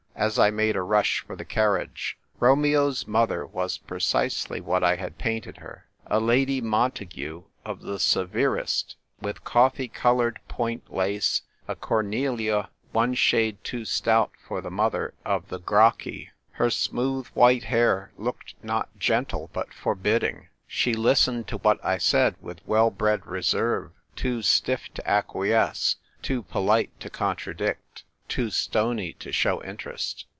as I made a rush for the carriage. Romeo's mother was precisely what 1 had painted her — a Lady Montague of the 1 82 THE TVPE WRITLR GIRL. severest, with coffee coloured point lace, a Cornelia one shade too stout for the mother of the Gracchi. Her smooth white hair looked not gentle, but forbidding; she listened to what I said with well bred reserve: too stiff to acquiesce, too polite to contradict, too stony to show interest.